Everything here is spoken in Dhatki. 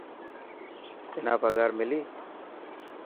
تنا پگهار ملي.